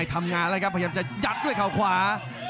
ทำงานแล้วครับพยายามจะยัดด้วยเขาขวา